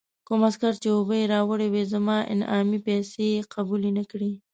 کوم عسکر چې اوبه یې راوړې وې، زما انعامي پیسې یې قبول نه کړې.